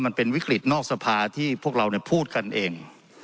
มันเป็นวิกฤตนอกสภาที่พวกเราพูดกันเอง